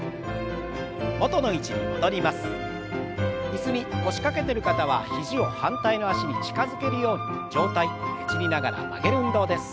椅子に腰掛けてる方は肘を反対の脚に近づけるように上体ねじりながら曲げる運動です。